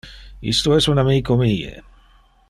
Isto es un amico mie.